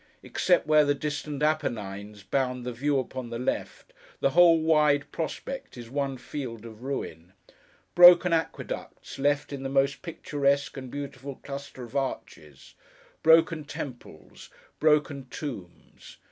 Except where the distant Apennines bound the view upon the left, the whole wide prospect is one field of ruin. Broken aqueducts, left in the most picturesque and beautiful clusters of arches; broken temples; broken tombs.